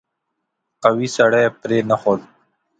قوي سړی پرې نه ښود.